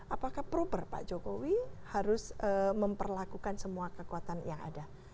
apakah proper pak jokowi harus memperlakukan semua kekuatan yang ada